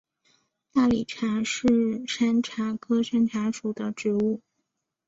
大理茶是山茶科山茶属的植物。